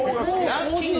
ランキング